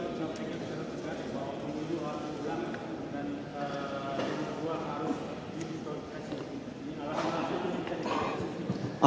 dan kembali ke luar harus dihitungkan ini alasannya apa